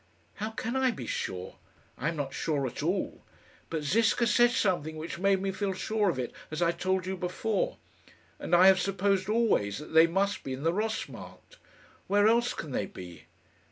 "How can I be sure? I am not sure at all. But Ziska said something which made me feel sure of it, as I told you before. And I have supposed always that they must be in the Ross Markt. Where else can they be?"